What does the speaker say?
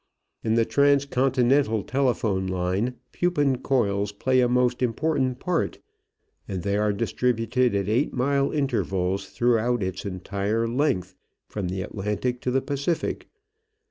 In the transcontinental telephone line Pupin coils play a most important part, and they are distributed at eight mile intervals throughout its entire length from the Atlantic to the Pacific.